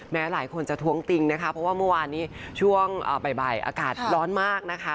หลายคนจะท้วงติงนะคะเพราะว่าเมื่อวานนี้ช่วงบ่ายอากาศร้อนมากนะคะ